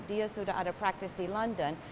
dia sudah ada praktis di london